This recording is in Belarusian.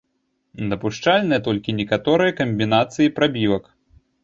Дапушчальныя толькі некаторыя камбінацыі прабівак.